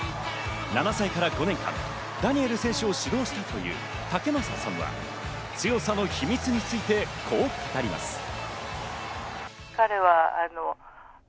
７歳から５年間、ダニエル選手を指導したという武正さんは強さの秘密について、こう語ります。